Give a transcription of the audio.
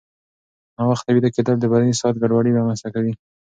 ناوخته ویده کېدل د بدني ساعت ګډوډي رامنځته کوي.